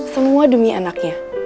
semua demi anaknya